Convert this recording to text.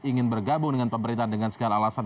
ingin bergabung dengan pemerintah dengan segala alasan